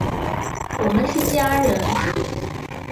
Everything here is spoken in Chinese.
我们是家人！